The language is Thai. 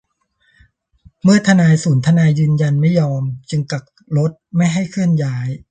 เมื่อทนายศูนย์ทนายยืนยันไม่ยอม จึงกักรถไม่ให้เคลื่อนย้าย